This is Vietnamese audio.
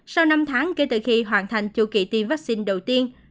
sau năm tháng kể từ khi hoàn thành chu kỳ tiêm vaccine đầu tiên